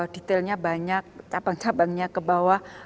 detailnya banyak cabang cabangnya kebawah